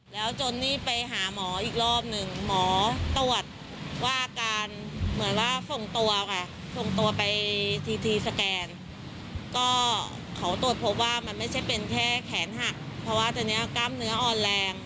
แล้วจนนี่ไปหาหมออีกรอบนึง